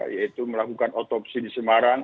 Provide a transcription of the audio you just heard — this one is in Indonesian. yaitu melakukan otopsi di semarang